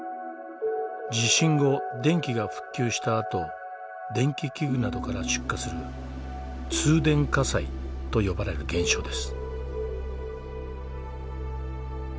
地震後電気が復旧したあと電気器具などから出火する通電火災と呼ばれる現象です。